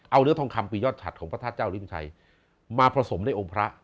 เอาเนื้อทองคำปียอดฉัดของพระธาตุเจ้าลิ้นชัยมาผสมในองค์พระ